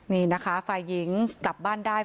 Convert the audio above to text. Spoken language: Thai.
นี่นะคะฝ่ายหญิงกลับบ้านได้